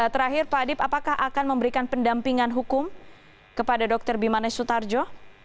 terakhir pak adip apakah akan memberikan pendampingan hukum kepada dr bimanes sutarjo